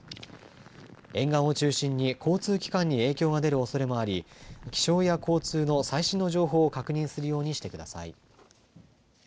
沿岸を中心に交通機関に影響が出るおそれもあり気象や交通の最新の情報を確認するようにしてください。